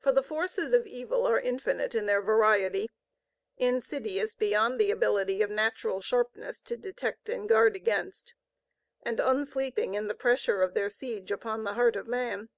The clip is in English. For the forces of evil are infinite in their variety, insidious beyond the ability of natural sharpness to detect and guard against, and unsleeping in the pressure of their siege upon the heart of man.